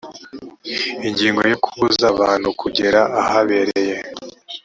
ingingo ya kubuza abantu kugera ahabereye